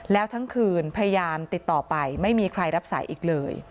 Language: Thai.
แล้วทั้งคืนพยายามติดต่อไปไม่มีใครรับสายอีกเลย